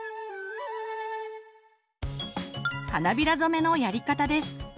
花びら染めのやり方です。